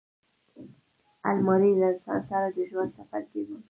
الماري له انسان سره د ژوند سفر کوي